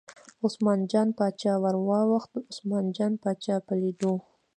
عثمان جان باچا راواوښت، د عثمان جان باچا په لیدو.